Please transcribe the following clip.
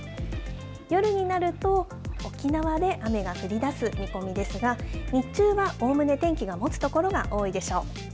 夜になると、沖縄で雨が降りだす見込みですが、日中はおおむね天気がもつ所が多いでしょう。